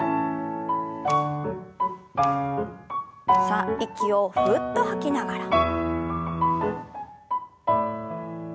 さあ息をふうっと吐きながら。